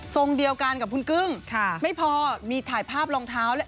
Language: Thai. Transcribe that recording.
เดียวกันกับคุณกึ้งไม่พอมีถ่ายภาพรองเท้าเลย